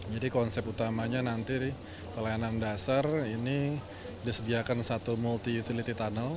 jadi konsep utamanya nanti di pelayanan dasar ini disediakan satu multi utility tunnel